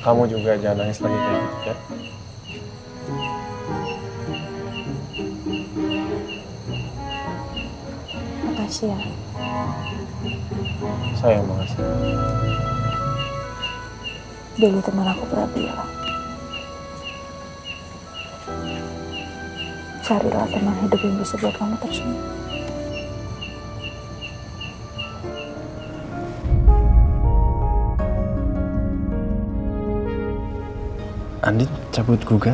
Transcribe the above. kamu juga jangan nyesel lagi ke ibu ku ya